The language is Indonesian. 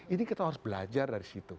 ini kita harus belajar dari situ